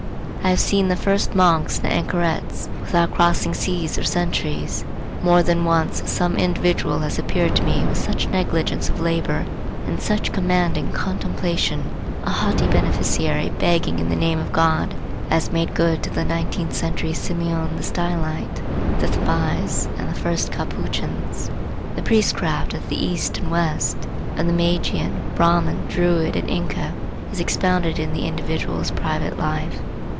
I have seen the first monks and anchorets, without crossing seas or centuries. More than once some individual has appeared to me with such negligence of labor and such commanding contemplation, a haughty beneficiary begging in the name of God, as made good to the nineteenth century Simeon the Stylite, the Thebais, and the first Capuchins. The priestcraft of the East and West, of the Magian, Brahmin, Druid, and Inca, is expounded in the individual's private life.